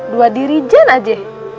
dua dirijen aja